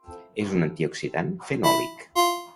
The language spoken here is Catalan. És un antioxidant fenòlic.